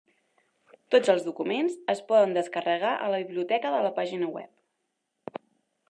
Tots els documents es poden descarregar a la biblioteca de la pàgina web.